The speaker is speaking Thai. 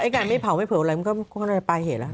การไม่เผาไม่เผาอะไรมันก็ได้ปลายเหตุแล้ว